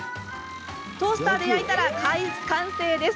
トースターで焼いたら完成です。